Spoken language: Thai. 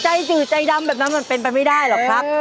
จืดใจดำแบบนั้นมันเป็นไปไม่ได้หรอกครับ